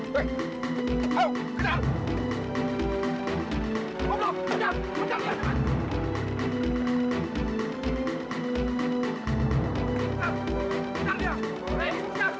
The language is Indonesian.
sampai jumpa di video selanjutnya